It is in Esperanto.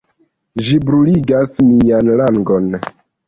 Ĝi bruligas mian langon!